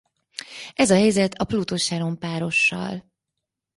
Ez a helyzet a Pluto-Charon párossal.